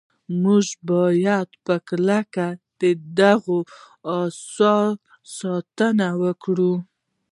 موږ باید په کلکه د دغو اثارو ساتنه وکړو.